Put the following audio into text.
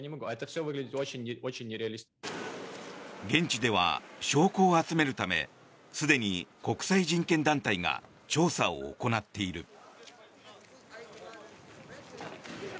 現地では、証拠を集めるためすでに国際人権団体が調査を行っている。